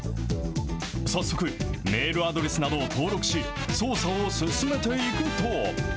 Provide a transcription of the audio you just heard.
早速、メールアドレスなどを登録し、操作を進めていくと。